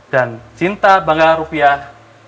dan cinta bangga rupiah